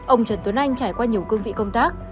ông trần tuấn anh trải qua nhiều cương vị công tác